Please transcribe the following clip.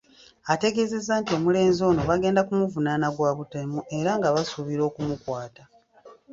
Ategeeza nti omulenzi ono bagenda kumuvunaana gwa butemu era nga basuubira okumukwata.